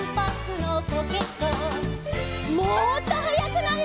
もっとはやくなるよ。